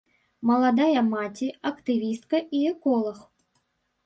Маладая маці, актывістка і эколаг.